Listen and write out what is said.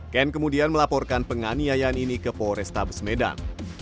ken kemudian melaporkan penganiayaan ini ke polrestabes medan